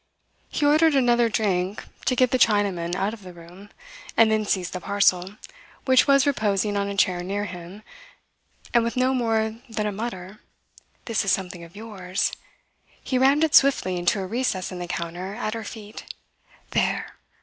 He ordered another drink, to get the Chinaman out of the room, and then seized the parcel, which was reposing on a chair near him, and with no more than a mutter "this is something of yours" he rammed it swiftly into a recess in the counter, at her feet. There!